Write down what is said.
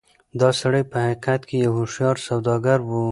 دا سړی په حقيقت کې يو هوښيار سوداګر و.